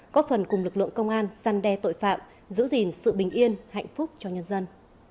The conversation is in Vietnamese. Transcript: có phần cùng lực lượng công an săn đe tội phạm giữ gìn sự bình yên hạnh phúc cho nhân dân